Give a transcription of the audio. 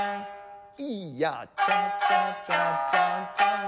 イヤチャチャチャチャチャン。